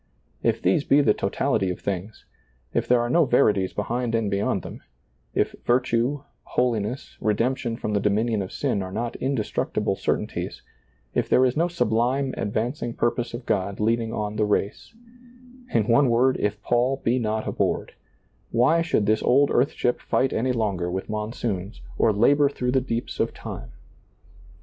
If these be the totality of things, if there are no verities behind and be yond them, if virtue, holiness, redemption from the dominion of sin are not indestructible certain ties, if there is no sublime advancing purpose of God leading on the race — in one word, if Paul be not aboard — why should this old earth ship fight any longer with monsoons or labor through the deeps of time